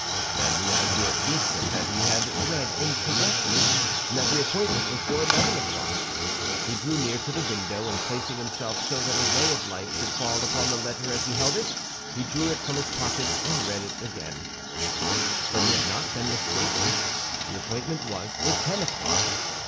Then the idea seized him that he had read incorrectly, and that the appointment was for eleven o'clock. He drew near to the window, and placing himself so that a ray of light should fall upon the letter as he held it, he drew it from his pocket and read it again; but he had not been mistaken, the appointment was for ten o'clock.